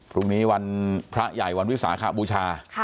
พรุ่งนี้วันพระใหญ่วันวิสาขบูชา